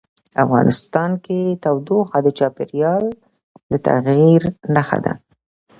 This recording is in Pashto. افغانستان کې تودوخه د چاپېریال د تغیر نښه ده.